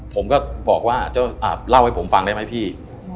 ผมก็บอกว่าเล่าให้ผมฟังได้ไหมพี่